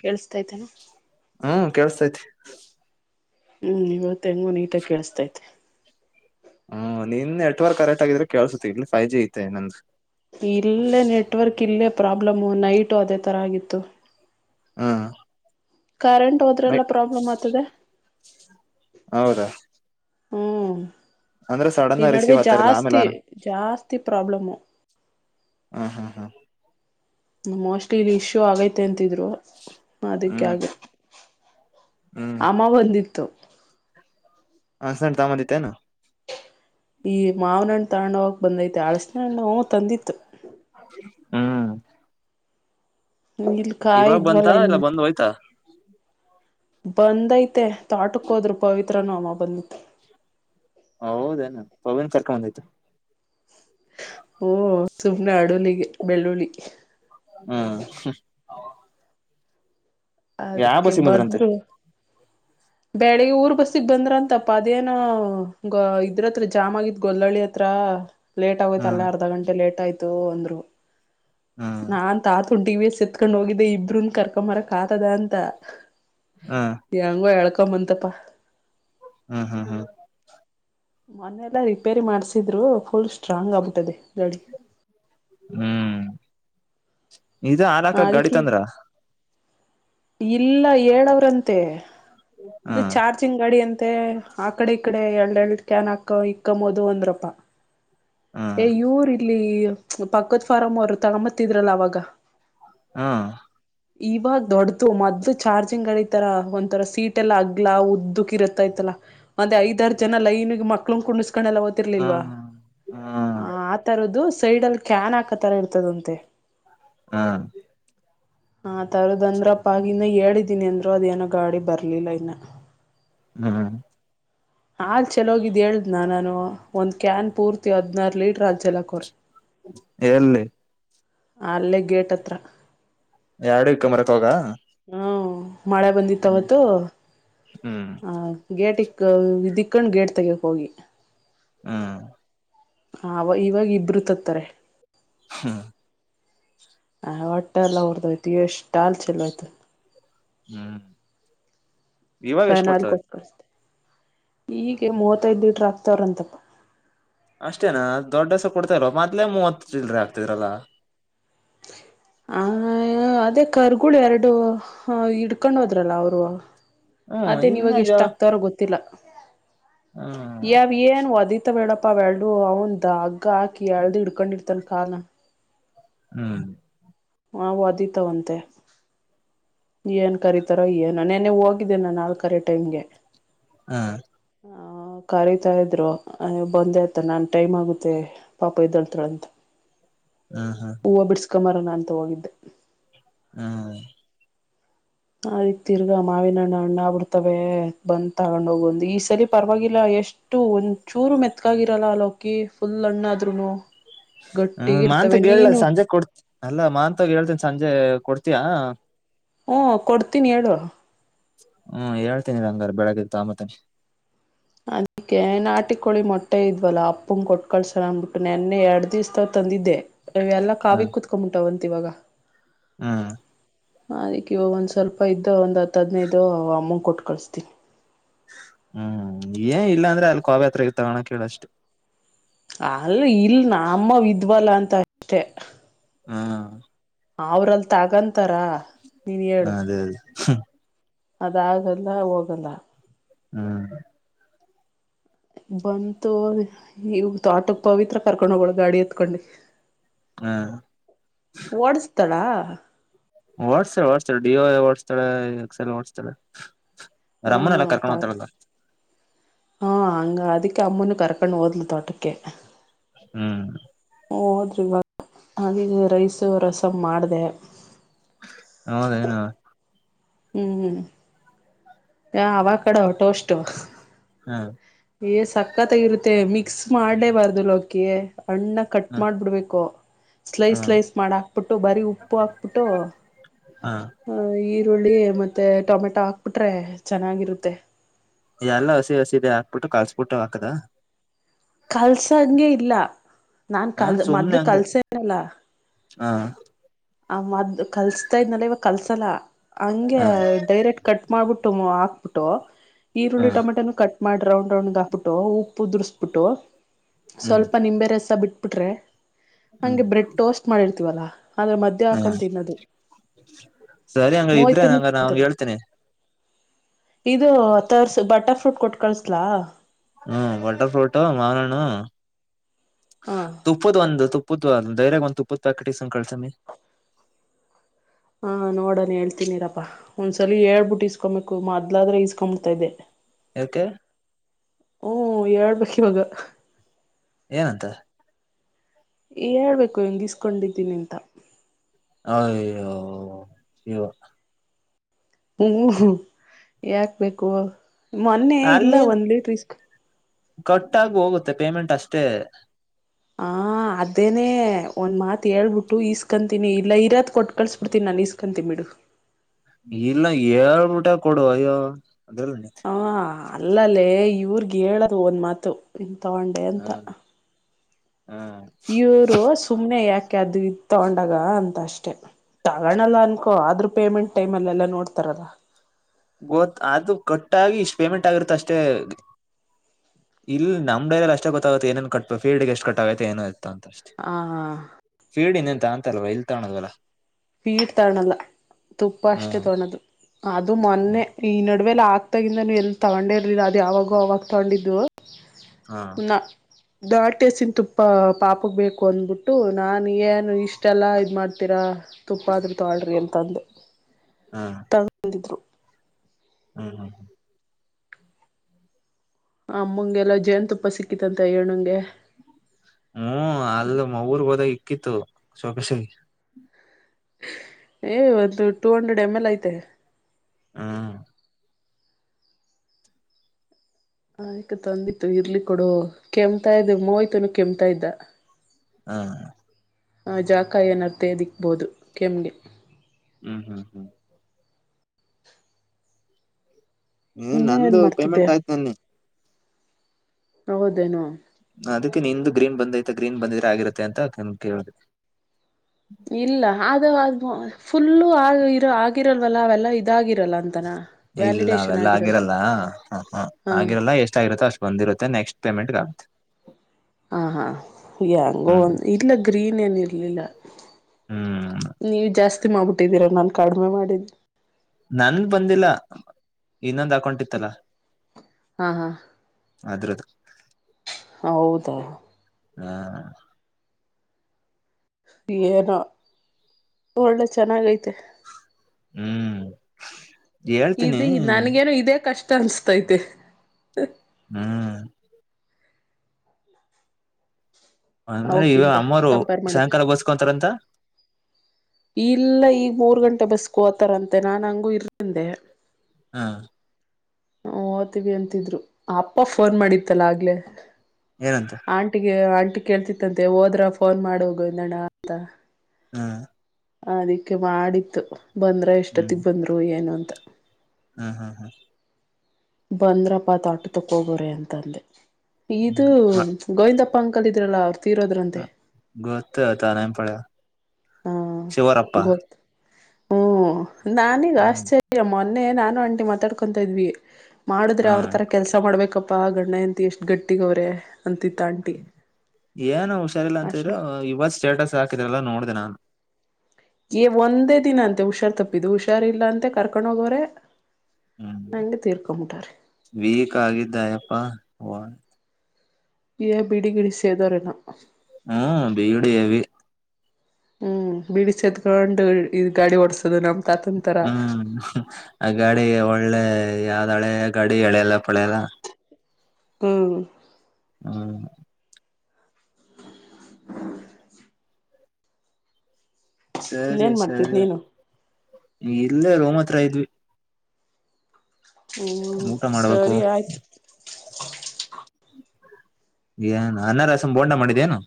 ಕೇಳಸ್ತಾ ಇದತೇನೆ ಹ್ಮ್ ಕೇಳ್ಸ್ತೈತಿ ಹ್ಮ್ ಇವತ್ತು ಹೆಂಗೋ ನೀಟಾಗಿ ಕೇಳಸ್ತೈತೆ ಹ್ಮ ನಿನ್ ನೆಟ್ವರ್ಕ್ ಕರೆಕ್ಟ್ ಆಗಿದ್ರೆ ಕೇಳಸುತ್ತತಿ ಇಲ್ಲಿ ಫೈವ್ ಜಿ ಐತೆ ನಂದ್ದು ಇಲ್ಲೇ ನೆಟ್ವರ್ಕ್ ಇಲ್ಲೇ ಪ್ರಾಬ್ಲಮು ನೈಟು ಅದೇ ತರ ಆಗಿತ್ತು ಹಾ ಕರೆಂಟ್ ಹೋದ್ರೆಲ್ಲಾ ಪ್ರಾಬ್ಲಮ್ ಆಗ್ತದೆ ಹೌದಾ ಹ್ಮ ಅಂದ್ರೆ ಸಡನ್ ಈ ರಿಸೀವ್ ನಡುವೆ ಆಗ್ತಾ ಇರಲ್ಲ ಆಮೇಲೆ ಜಾಸ್ತಿ ಆನ ಜಾಸ್ತಿ ಪ್ರಾಬ್ಲಮು ಹಾ ಹಾ ಹಾ ಮೋಸ್ಟ್ಲಿ ಇಲ್ಲಿ ಇಶ್ಯೂ ಆಗೈತೆ ಅಂತಿದ್ರು ಹ್ಮ್ ಹ್ಮ್ ಅದಕ್ಕಾಗಿೆ ಹ್ಮ್ ಅಮ್ಮ ಬಂದಿತ್ತು ಹ ಸ್ಣ್ ತಾಮದತೆನ ಈ ಮಾವನಣ್ಣು ತೊಂಡ ಹಾಗ ಬಂದೈತೆ ಅಳ್ಸನಣ್ಣ ತಂದಿತ್ತು ಹ್ಮ್ ಇಲ್ಲಿ ಕಾಯ ಇವಾಗ ಬಂತ ಇದ್ವಲ್ಲ ಇ ಇಲ್ಲ ಬಂದ್ ಹೋಯ್ತಾ ಬಂದೈತೆ ತಾಟಕ್ ಹೋದ್ರು ಪವಿತ್ರನು ಅಮ್ಮ ಬಂದಿ ಹೌದೇನ ಪವನ್ ಕರ್ಕೊಂಬಂದೈ್ತು ಓ ಸುಮ್ನೆ ಅಡುಲ್ಲಿಗೆ ಬೆಳ್ಳುಳ್ಳಿ. ಹ್ಮ್ ಯಾವ ಅದಕ್ಕೆ ಬಸ್ಸಿಗೆ ಬಂದ್ರಂತೆ ಬಂದ್ರು ಬೆಳಗ್ ಊರ್ ಬಸ್ಸಿಗೆ ಬಂದ್ರಂತಪ್ಪ ಅದೇನೊ ಇದ್ರತ್ರ ಜಾಮ್ ಆಗಿದ್ ಗೊಲ್ಲಳ್ಳಿ ಹತ್ರ. ಲೇಟ್ ಆಗೋಯ್ತ ಹ್ಮ್ ಅಲ್ಲೇ ಅರ್ಧ ಗಂಟೆ ಲೇಟ್ ಆಯ್ತು ಅಂದ್ರು. ಹ್ಮ್ ನಾನ್ ತಾತುನ್ ಟಿವಿಎಸ್ ಎತ್ಕೊಂಡ್ ಹೋಗಿದ್ದೆ ಇಬ್ರೂನ್ ಕರ್ಕೊಂಬರಕ್ ಆತದ ಅಂತ. ಹ್ಮ್ ಹೆಂಗೋ ಎಳ್ಕೊಂಬಂತಪ್ಪ. ಹ್ಮ್ ಹ್ಮ್ ಹ್ಮ್ ಮೊನ್ನೆಲ್ಲಾ ರಿಪೇರಿ ಮಾಡ್ಸಿದ್ರು. ಫುಲ್ ಸ್ಟ್ರಾಂಗ್ ಆಗ್ಬಿಟ್ಟದೆ ಗಾಡಿ. ಹ್ಮ್ ಇದ ಹಾಲಕ್ ಅದಕ್ಕೆ ಗಾಡಿತಂದ್ರ. ಇಲ್ಲ ಏಳವ್ರಂತೆ ಇದೇ ಹ್ಮ್ ಚಾರ್ಜಿಂಗ್ ಗಾಡಿ ಅಂತ್ ತ್ತೆ ಆಕಡೆ ಈಕಡೆ ಎರಡು ಎರಡ್ ಕ್ಯಾನ್ ಹಾಕ ಇಕ್ಕೊಂಬೋದು ಅಂದ್ರಪ್ಪಾ. ಏ ಹ್ಮ್ ಯುವ್ರ್ ಇಲ್ಲಿ ಪಕ್ಕತ್ ಫಾರಂ ಅವರು ತಗಂಬತ್ತಿದ್ರಲ್ಲ ಅವಾಗ ಹ್ಮ ಇವಾಗ ದೊಡ್ದು ಮೊದ್ಲು ಚಾರ್ಜಿಂಗಳಿತರ ಒಂತರ ಸೀಟೆಲ್ಲ ಅಗ್ಲಾ ಉದ್ದಕ್ ಇರತ್ತೈತಲ್ಲ ಅದೇ ಐದಾರ್ ಜನ ಲೈನುಗೆ ಮಕ್ಳು ಕುಂಡ್ಸ್ ಕಂಡೆಲ್ಲ ಓತಿರ್ಲಿಲ್ವಾ ಹ್ಮ್ ಹ್ಮ್ ಆತರದ್ದು ಸೈಡಲ್ಲಿ ಕ್ಯಾನ್ ಹಾಕತರ ಇರ್ತದಂತೆ. ಹಾ ಹಾ ತರದ್ ಅಂದ್ರಪ್ಪ ಇನ್ನು ಹೇಳಿದ್ದೀನಿ ಅಂದ್ರು ಅದೇನೋ ಗಾಡಿ ಬರ್ಲಿಲ್ಲ ಇನ್ನ. ಹ್ಮ್ ಹಲ್ ಚೆಲೋಗಿದ್ದ್ ಹೇಳ್ದ್ನ ನಾನು? ಒಂದು ಕ್ಯಾನ್ ಪೂರ್ತಿ ಹದಿನಾರು ಲೀಟ್ರ್ ಹಾಲ್ಚೆಲ್ಲಾಕೋರೆ. ಎಲ್ಲಿ ಅಲ್ಲೇ ಗೇಟತ್ರ. ಎರಡು ಇಕ್ಕಂಬರಕೋದಾ? ಹ್ಮ ಮಳೆ ಬಂದಿತ್ತವತ್ತು ಹ್ಮ್ ಆ ಗೇಟಿ ದಿಕ್ಕಂಡ್ ಗೇಟ್ ತೆಗೆಯಕ್ ಹೋಗಿ. ಹಾ ಅವ ಇವಾಗ ಇಬ್ರು ತತ್ತಾರೆ. ಹಾ ಆ ಹೊಟ್ಟೆ ಎಲ್ಲ ಉರ್ದೋಯ್ತು ಎಷ್ಟ್ ಹಾಲ್ ಚೆಲ್ಲೋಯ್ತು. ಹ್ಮ್ ಇವಾಗ ಎಷ್ಟ್ ಫೈನಾಲ್ ಕೊಡ್ತವೆ ಕೊಟ್ಟ ಈಗೆ ಮೂವತ್ತೈದು ಲೀಟರ್ ಆಗ್ತವ್ರಂತಪ್ಪ. ಅಷ್ಟೇನಾ ದೊಡ್ಡಸ ಕೊಡ್ತಾಯಿಲ್ವ ಮದ್ಲೇ ಮೂವತ್ತು ಚಿಲ್ರೆ ಹಾಕ್ತಿದ್ರಲ್ಲ. ಹ ಹ ಅದೇ ಕರ್ಗಳು ಎರಡು ಇಡ್ಕೊಂಡ್ ಹೋದ್ರಲ್ಲ ಅವ್ರು. ಹ್ಮ್ ಇನ್ನ ಅದೇನೀವಾಗ ಜಾ ಎಷ್ಟಾಗ್ತಾರೊ ಗೊತ್ತಿಲ್ಲ. ಹ್ಮ್ ಏ ಅವನು ಏನು ಒದಿ ಮತ್ತವೇಳಪ್ಪ ಅವೆಲ್ಡು ಒಂದ್ ಹಗ್ಗ ಹಾಕಿ ಎಳ್ದು ಹಿಡ್ಕೊಂಡಿರ್ತನ್ ಕಾಲ್ನ. ಹ್ಮ್ ಅವು ಒದಿತಾವಂತೆ. ಏನ್ ಕರತಾರೊ ಏನೊ ನೆನ್ನೆ ಹೋಗಿದ್ದೇ ನಾನ್ ಹಾಲ್ ಕರೆಯೋ ಟೈಮ್ಗೆ. ಹಾ ಹಾ ಕರಿತಾ ಇದ್ರು ಅಯೊ ಬಂದೆ ಅತಗ್ ನಾನು ಟೈಮ್ ಆಗುತ್ತೆ ಪಾಪ ಎದ್ದೊಳ್ತಾಳೆ ಅಂತ. ಹ್ಮ್ ಹ್ಮ್ ಹೂವ ಬಿಡ್ಸ್ಕೊಂಬರನ ಅಂತ ಹೋಗಿದ್ದೆ. ಹ್ಮ ಆಯ್ತ್ ತಿರ್ಗ ಮಾವಿನಣ್ಣ್ ಹಣ್ಣಾಗ್ಬುತವೆ ಬಂದ್ ತಗೊಂಡೋಗಂದು, ಈ ಸರಿ ಪರವಾಗಿಲ್ಲ ಎಷ್ಟು ಒಂದ್ ಚೂರು ಮೆತ್ಕಾಗಿರಲ್ಲ ಅಲೋಕಿ ಫುಲ್ ಅಣ್ಣಾದ್ರುನು ಹ್ಮ ಮಾಹಂತಗ್ ಹೇಳ ಸಂಜೆ ಕೊಡ್ ಅಲ್ಲ ಮಾತ್ ಗ ಹೇಳ್ತನ್ ಸಂಜೆ ಕೊಡ್ತೀಯಾ ಹ್ಮ ಕೊಡ್ತೀನಿ ಹೇಳು ಹ್ಮ್ ಹೇಳ್ತೀನಿ ಹಂಗಾದ್ರೆ ಬೆಳಗಿತ್ತು ಮತ್ತನ ಅದಕ್ಕೆೇನ್ ಆಟಿ ಕೋಳಿ ಮೊಟ್ಟೆ ಇದ್ವಲ್ಲ ಅಪ್ಪಂಗೆ ಕೊಟ್ಟಟ್ ಕಳ್ಸಣ ಅಂದ್ಬಿಟ್ಟು ನೆನ್ನೆ ಎರಡ್ ದಿವಿಸಾವ ತಂದಿದ್ದೆ ಎಲ್ಲಾ ಕಾವಿ ಹ್ಮ್ ಕುತ್ಕೊಂಡ್ಬಿಟ್ಟವಂತೆ ಇವಾಗ ಹ್ಮ್ ಅದಕ್ಕೆ ಇವ ಒಂದ್ ಸ್ವಲ್ಪ ಇದ್ದ ಒಂದ್ ಹತ್ ಹದ್ನೈದು ಅಮ್ಮ ಕೊಟ್ಟು ಕಳಸ್ತೀನಿ ಹ್ಮ್ ಏನ್ ಇಲ್ಲಾ ಅಂದ್ರೆ ಅಲ್ಲಿ ಕೋಾವ [unintelligible] ಹತ್ರ ಇರ್ತಗೋಣ ಕೇಳಷ್ಟು ಅಲ್ಲ ಇಲ್ ನಮ್ಮವು ವಿದ್ವಲ್ಲ ಅಂತ ಅಷ್ಟೆ ಹಾ ಅವ್ರಲ್ ತಗಂತಾರ ನೀನ್ ಹೇಳು ಹ್ಮ್ ಅದಾಗಲ್ಲ ಹೋಗಲ್ಲ ಹ್ಮ್ ಬಂತು ಇವತ್ತು ಆಟೋಕ್ ಪವಿತ್ರ ಕರ್ಕೊಂಡ್ ಹೋಗೋಳ ಗಾಡಿ ಎತ್ಕೊಂಡಿ ಹ್ಮ್ ಓಡ್ಸ್ತಡಾ ವಾಡ್ಸ್ತಾಳ ವಾಡ್ಸ್ತಾೆ ಡಿ ಎ ಓಡ್ಸ್ತಳ ಎಕ್ಸೆಲ್ ಓಡ್ಸ್ತಳೆ ಹ್ಞೂ ಅವರಮ್ಮನ್ನೆಲ್ಲಾ ಕರ್ಕೊಂಡು ಹೋಗ್ತಾಳಲ್ಲ ಹಾ ಅಂಗ ಅದಕ್ಕೆ ಅಮ್ಮನು ಕರಕೊಂಡು ಹೋದ್ಲು ತೋಟಕ್ಕೆ ಹ್ಮ್ ಹೋದ್ರು ಇವಾಗ ರೈಸು ರಸಂ ಮಾಡಿದೆ ಹೌದೇನೋ ಹ್ಮ್ ಹ್ಮ್ ಅವಕಾಡೊ ಟೋಸ್ಟು ಏ ಸಕ್ಕತ್ತಾಗಿರುತ್ತೆ ಮಿಕ್ ಮಿಕ್ಸ್ ಮಾಡೇ ಬಾರ್ದು ಲೋಕಿ ಅಣ್ಣ ಕಟ್ ಹ ಮಾಡ್ಬಿಡ್ಬೇಕು ಸ್ಲೈಸ್ ಹ್ಮ್ ಸ್ಲೈಸ್ ಮಾಡ ಹಾಕ್ಬಿಟ್ಟು ಬರಿ ಉಪ್ಪು ಹಾಕ್ಬಿಟ್ಟು ಹ ಆ ಈರುಳ್ಳಿ ಮತ್ತೆ ಟೊಮೆಟೊ ಹಾಕ್ಬಿಟ್ರೆ ಚೆನ್ನಾಗಿರುತ್ತೆ ಎಲ್ಲ ಹಸಿ ಹಸದೆ ಹಾಕ್ಬಿಟ್ಟು ಕಳ್ಸ್ಬಿಟ್ಟು ಹಾಕದ ಕಲ್ಸ ಹಂಗೆ ಇಲ್ಲ ನಾನ್ ಹ ಕಲ್ ಮೊದ್ಲು ಕಲ್ಸ ಇರಲ್ಲ ಹಾ ಆ ಮದ ಕಲ್ಸ್ತಾ ಇದ್ನಲ್ಲ ಇವ ಕಲ್ಸಲ್ಲ ಹಂಗೆ ಹ ಡೈರೆಕ್ಟ್ ಕಟ್ ಮಾಡ್ಬಿಟ್ಟ ಹಾಕ್ಬಿಟ್ಟು ಹ್ಮ್ ಈರುಳ್ಳಿಟೊಮೆಟೋನು ಕಟ್ಟ ಮಾಡಿ ರೌಂಡ್ ರೌಂಡ್ ಆಗ್ಬಿಟ್ಟು ಉಪ್ಪು ದುರಿಸಸ್ಬಿಟ್ಟು ಹ್ಮ್ ಸ್ವಲ್ಪ ನಿಂಬೆ ರಸ ಬಿಟ್ಟ ಹಾಕ್ಬಿಟ್ರೆ ಹಗೆ ಬ್ರೆಡ್ ಟೋಸ್ಟ್ ಮಾಡಿರ್ತೀವಲ್ಲ ಹಾ ಸರಿ ಹಂಗ ಇದ್ರೆ ಮೋಹಿತನು ಹಂಗ ನಾ ಅವನ್ ತಿಂತಾರೆ ಹೇಳ್ತೇನೆ ಇದು ತರ್ಸ ಬಟರ್ಫ್ರೂಟ್ ಕೊಟ್ ಕಳ್ಸ್ಲಾ ಹ್ಮ್ ಬಟರ್ಫ್ರೂಟ್ ಮಾಾರಣ ಹಾ ತುಪ್ಪದ ಒಂದು ತುಪ್ಪ ತುಪ್ಪೂತ್ ಧೈರಾಗ ಒಂದ್ ತುಪ್ಪೂತ್ ಪ್ಯಾಕೆಟ್ ಇಸನ್ ಕಳ್ಸಮ್ಮಿ ಹಾ ನೋಡೋಣ ಹೇಳ್ತೀನಿರಪ್ಪಾ ಒಂದ್ಸಲ ಹೇಳ್ಬಿಟ್ಟು ಇಸ್ಕೊಬೇಕು ಮೊದ್ಲಾದ್ರೆ ಇಸ್ಕೊಂಬಿತಾ ಇದೆ ಯಕೆ ಹ ಹೇಳಬೇಕು ಇವಾಗ ಏನಂತ ಏ ಹೇಳ್ಬೇಕು ಇಸ್ಕೊಂಡಿದೀನಿ ಅಂತ ಅಯ್ಯೋ ಶಿವ ಹ್ಮ್ ಯಾಕ್ಬೇಕು ಮೊನ್ನೆ ಇಲ್ಲ ಒಂದ್ ಲ ರಿಸ್ಕ್ ಕಟ್ಟಾಗಿ ಹೋಗುತ್ತೆ ಪೇಮೆಂಟ್ ಅಷ್ಟೇ ಹ ಅದೇನೆ ಒಂದ್ ಮಾತ್ ಹೇಳ್ಬಿಟ್ಟು ಈಸ್ಕಂತೀನಿ ಇಲ್ಲ ಇರತ್ ಕೊಟ್ ಕಳ್ಸ್ ಬಿಿಡ್ತೀನಿ ನಾ ಇಸ್ಕೊಂತೀನಿ ಬಿಡು ಇಲ್ಲ ಹೇಳ್ಬಿಟ್ಟೆ ಕೊಡು ಅಯ್ಯೋ ಅದ್ರಲ್ಲಿ ಹ ಅಲ್ಲಲ್ಲೇ ಇವ್ರಗ ಹೇಳದು ಒಂದ್ ಮಾತು ತಗೊಂಡೆ ಅಂತ ಹ್ಮ್ ಹ್ಮ್ ಇವರು ಸುಮ್ನೆ ಯಾಕೆ ಅದು ಇ ತಗೊಂಡಾಗ ಅಂತ ಅಷ್ಟೆ ತಗಣಲ್ಲ ಅನ್ಕೊ ಆದ್ರರು ಪೇಮೆಂಟ್ ಟೈಮ್ಲ್ಲ ಎಲ್ಲ ನೋಡ್ತಾರಲ್ಲ ಗೊತ್ ಅದು ಕಟ್ಟಾಗಿ ಇಷ್ಟ ಪೇಮೆಂಟ್ ಆಗಿರುತ್ತ ಅಷ್ಟೇ ಇಲ್ಲ ನಮ್ಡ ಎಲ್ಲ ಅಷ್ಟೇ ಗೊತ್ತಾಗುತ್ತೆ ಏನೇನ್ ಕಟ್ುಫೀರ್ಡ್ಗೆಷ್ಟು ಕಟ್ಟ ಆುತ್ತೆ ಏ ಂತ ಅಷ್ಟೆ ಆ ಫೀಡ್ನ್ ಎಂತ ಅಂತಲ್ವಾ ಇಲ್ ತಾಣೋದ್ವಲ್ಲ ಪೀಟ್ ತಗಳಲ್ಲ ತುಪ್ಪ ಅಷ್ಟೆ ಹ್ಮ್ ತೊೊಂಡದು ಅದು ಮೊನ್ನೆ ಈ ನಡ ಅವೆಲ್ಲ ಆಗ್ತಾಗಿಂದ ಎಲ್ಲಿ ತಗೊಂಡಿರ್ಲಿಲ್ಲ ಅದು ಯಾವಾಗೂ ಅವಾಗ ತಗೊಂಡಿದ್ದು ಹಾ ದಾಟೆೇಸಿನ ತುಪ್ಪ ಪಾಪಕ್ಕೆ ಬೇಕು ಅಂದಬಿಟ್ಟು ನಾನ ಏನು ಇಷ್ಟ ಎಲ್ಲ ಇದ ಮಾಡ್ತೀರಾ ತುಪ್ಪಾದ್ರೂ ತೊಳ್ರಿ ಅಂತಂದು ತಗಂದಿದ್ರು ಹ್ಮ ಹಾ ಹಾ ಆಮ್ಮಂಗೆಲ್ಲ ಜಯನ್ ತುಪ್ಪ ಸಿಕ್ಕಿತಂತ ಏಣಂಗೆ ಹ್ಮ್ ಅಲ್ಲಿ ಮಊರ್ ಹೋದಾಗ ಇಕ್ಕಿತ್ತು ಸೊಕಸಗ ಏ ಒಂದು ಟೂ ಹಂಡ್ರೆಡ್ ಎಮ್ ಎಲ್ ಐತೆ ಹಾ ಆಯ್ಕ ತಂದಿತ್ತು ಇರ್ಲಿ ಕೊಡು ಕೆಮ್ತಾ ಇದ್ದ ಮೋಯ್ತುನು ಕೆಮ್ತಾ ಇದ್ದ ಹಾ ಆ ಜಾಕ ಏನತ್ತೆ ದಿಕ್ಬೋದು ಕೆಮ್ಗೆ ಹ್ಮ್ ಹ್ಮ್ ಹ್ಮ್ ಹ ಇನ್ನೇನ್ ನಂದು ಮಾಡ್ತಿದ್ದೆ ಪೇಮೆಂಟ್ ಆಯ್ತ್ು ನನ್ನಿ ಹೌದೇನು ಅದಕ್ಕೆ ನಿಂದು ಗ್ರೀನ್ ಬಂದೈತೆ ಗ್ರೀನ್ ಬಂದಿದ್ರ ಆಗಿರತ್ತೆ ಅಂತ ಕೇಳಿದೆ ಇಲ್ಲ ಆದ ಫುಲ್ಲು ಆ ಇರ ಆಗಿರಲ್ದಲ್ಲ ಅವೆಲ್ಲ ಇದಾಗಿರಲ್ಲ ಅಂತಾನ ಇಲ್ಲ ಅವೆಲ್ಲ ಆಗಿರಲ್ಲ ಹ ಹಾಂ ಆಗಿರಲ್ಲ ಎಷ್ಟಗರುತ್ತೋ ಅಷ್ಟ್ ಬಂದಿರುತ್ತೆ ನೆಕ್ಸ್ಟ್ ಪೇಮೆಂಟ್ ಹಾ ಹಾ ಯಂಗೋ ಒ ಹ್ಮ್ ಇಲ್ಲ ಗ್ರೀನ್ ಏನ್ ಇರ್ಲಿಲ್ಲ ಹ್ಮ್ ನೀವ ಜಾಸ್ತಿ ಮಾಡ್ಬಿಟ್ಟಿದ್ದೀರಾ ನಾು ಕಡಿಮೆ ಮಾಡಿದ್ದ ನನ್ ಬಂದಿಲ್ಲ ಇನ್ನೊಂದ್ ಹಾಕೌಂಟಿತ್ತಲ ಹಾಂ ಹಾಂ ಅದ್ರ್ದ ಹೌದಾ ಹಾ ಏನೋ ಒಳ್ಳೆ ಚೆನ್ನಾಗೈತೆ ಹ್ಮ್ ಹೇಳ್ತೀನಿ ಇದಿ ನನ್ಗೇನು ಇದೇ ಕಷ್ಟ ಅನ್ಸ್ತೈತೆ ಹ್ಮ್ ಅ್ಮೇಲೆ ಈವ ಅವಕ್ಕಿಂತ ಅಮ್ಮರು ಕಂಪೇರ್ ಮಾಡಿದ್ರೆ ಸಾಯಂಕಾಲ ಗೋಸ್ಕೊಂತಾರಂತ ಇಲ್ಲ ಈಗ ಮೂರ್ ಗಂಟೆ ಬಸ್ಕೋತಾರಂತೆ ನಾನ್ ಹಂಗು ಇರ್ಿಂದೆ ಹಾ ಹ ಓ್ತೀವಿ ಅಂತಿದ್ರು ಅಪ್ಪ ಫೋನ್ ಮಾಡಿತ್ತಲ್ಲ ಆಗ್ಲೆೇ ಏನಂತ ಆಂಟಿಗೆ ಆಂಟಿ ಕೇಳ್ತಿತ್ತಂತೆ ಹೋದ್ರ ಫೋನ್ ಮಾಡ ಹೋಗುಂದಣ್ಣ ಅಂತ ಹ್ಮ ಅದಿಕ್ಕೆ ಮಾಡಿತ್ತು ಬಂದ್ರ ಎಷ್ಟೊತ್ತಿಗೆ ಬಂದ್ರು ಏನು ಅಂತ ಹ್ಮ ಹಾ ಹಾ ಬಂದ್ರಪ್ಪ ತಟ್ಟು ತಕೋಗ್ರ ಅಂತಂದೆ ಇದು ಗೋವಿಂದಪ್ಪ ಪಂಕದ ಇದ್ರಲ್ಲ ಹ ತೀರೋದ್ರಂತೆ ಗತ್ತತ ಅತ ನ ಪಳ ಹಾ ಶಿವರಪ್ಪಪ್ಪಾ ಗೊತ್ತು ಹ್ಮ್ ನಾನೀಗ ಆಶ್ಚರ್ಯ ಮೊನ್ನೆ ನಾನು ಆಂಟಿ ಮಾತಾಡ್ಕೊತ ಇದ್ವಿ ಮಾಡಿದ್ರೆ ಹಾ ಅವ್ರ ಥರ ಕೆಲಸ ಮಾಡ್ಬೇಕಪ್ಪಾ ಗಂಡಯಂತ ಎಷ್ಟು ಗಟ್ಟಿಗ ಅವ್ರೆ ಏನು ಹುಷಾರಿಲ್ಲ ಅಂತಿದ್ರು ಅಷ್ಟ ಇವತ್ ಸ್ಟೇಟಸ್ ಹಾಕಿದ್ರಲ್ಲ ನೋಡ್ದ ನಾನು ಒಂದೇ ದಿನ ಅಂತೆ ಹುಷಾರ್ ತಪ್ಪಿದ್ದು ಹುಷಾರ್ಲ್ಲಾಂತೆ ಕರ್ಕೊಂಡ್ ಹೋಗವ್ರೆ ಹ್ಮ್ ವೀಕ್ ಆಗಿದ್ದಾಯಪ್ಪಾ ಹ ಬಿಡಿ ಗಿಡಿ ಸೇದರೆಣ ಹ್ಮ್ ಬೇಗಡಿ ಎವಿ ಹ್ಮ್ ಬಿಡಿಸಿದಕೊಂಡು ಗಾಡಿ ಓಡಸ ಹ್ಮ್ ಆ ಗಾಡಿ ಒಳ್ಳೆ ಯಾವ ತಾಳೆ ಗಾಡಿ ಎಳೆಲ್ಲ ಪಳೆಲ್ಲ ಹ್ಮ್ ಹ್ಮ ಹ ಸರಿ ಇನ್ನೇನ್ ಮಾಡ್ತಿದ್ ಸರಿ ನೀನು ಇಲ್ಲೇ ರೋಮ ಹತ್ರ ಇದ್ವಿ ಹ್ಮ್ ಊಟ ಮಾಡ್ಬೇಕು ಸರಿ ಆಯ್ತು ಏನ್ ಅನಾರಾಸಮ ಬೋಂಡ ಮಾಡಿದ್ದೇನು